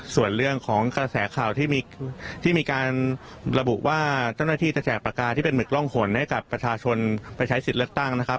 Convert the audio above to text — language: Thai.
ส่วนเรื่องของกระแสข่าวที่มีการระบุว่าเจ้าหน้าที่จะแจกปากกาที่เป็นหมึกร่องหนให้กับประชาชนไปใช้สิทธิ์เลือกตั้งนะครับ